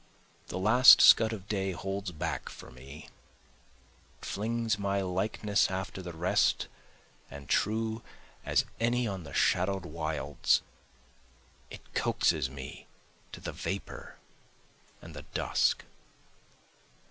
The last scud of day holds back for me, It flings my likeness after the rest and true as any on the shadow'd wilds, It coaxes me to the vapor and the dusk.